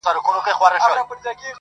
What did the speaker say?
• یوه ورځ یې پر چینه اوبه چښلې -